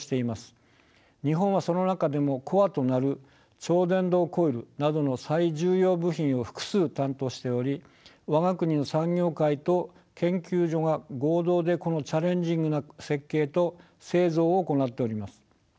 日本はその中でもコアとなる超電導コイルなどの最重要部品を複数担当しており我が国の産業界と研究所が合同でこのチャレンジングな設計と製造を行っております。